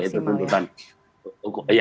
tuntutan yang paling maksimal ya